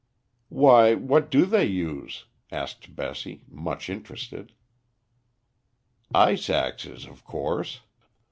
"Why, what do they use?" asked Bessie, much interested. "Ice axes, of course.